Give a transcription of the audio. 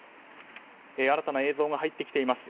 新たな映像が入ってきています。